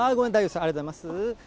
ありがとうございます。